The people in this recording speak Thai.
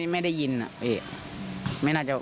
กับคุณเนติชา